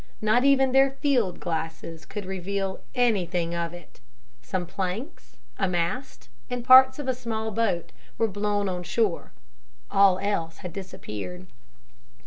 Not even their field glasses could reveal anything of it. Some planks, a mast, and parts of a small boat were blown on shore. All else had disappeared.